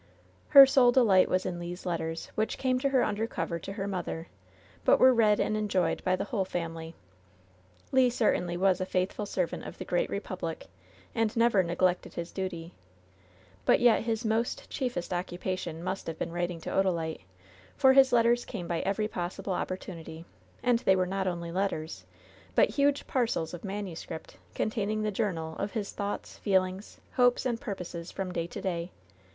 Her sole delight was in Le's letters, which came to her under cover to her mother ; but were read and en joyed by the whole family. Le certainly was a faithful servant of the great re public, and never neglected his duty ; but yet his "most chiefest occupation" must have been writing to Odalite, for his letters came by every possible opportunity, and they were not only letters, but huge parcels of manu script, containing the journal of his thoughts, feelings, hopes and purposes from day to day.